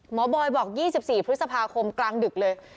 บอยบอก๒๔พฤษภาคมกลางดึกเลย